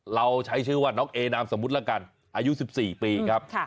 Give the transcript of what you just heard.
เราใช้ชื่อว่าน้องเอนามสมมุติแล้วกันอายุ๑๔ปีครับ